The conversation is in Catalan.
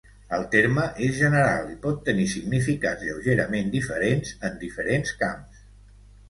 El terme és general i pot tenir significats lleugerament diferents en diferents camps.